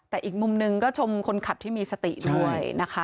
แต่อีกมุมหนึ่งก็ชมคนขับที่มีสติด้วยนะคะ